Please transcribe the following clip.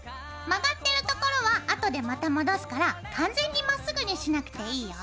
曲がってるところは後でまた戻すから完全にまっすぐにしなくていいよ。